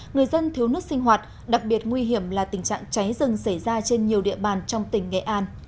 người dân thiếu nước sinh hoạt đặc biệt nguy hiểm là tình trạng cháy rừng xảy ra trên nhiều địa bàn trong tỉnh nghệ an